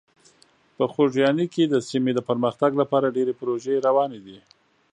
په خوږیاڼي کې د سیمې د پرمختګ لپاره ډېرې پروژې روانې دي.